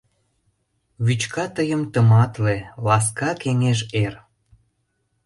Вӱчка тыйым тыматле, ласка кеҥеж эр.